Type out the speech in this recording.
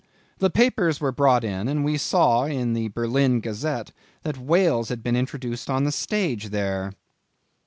"The papers were brought in, and we saw in the Berlin Gazette that whales had been introduced on the stage there."